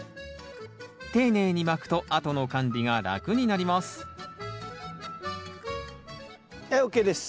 丁寧にまくとあとの管理が楽になりますはいＯＫです。